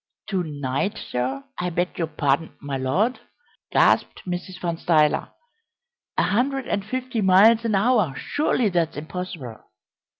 "To night, sir I beg your pardon, my Lord!" gasped Mrs. Van Stuyler. "A hundred and fifty miles an hour! Surely that's impossible."